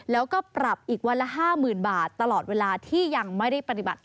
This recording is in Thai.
แล้วก็ปรับอีกวันละ๕๐๐๐บาทตลอดเวลาที่ยังไม่ได้ปฏิบัติ